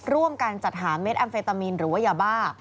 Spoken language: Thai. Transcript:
ร่วมกันจัดหาเม็ดแอมเฟตามีนหรือว่ายาบ้า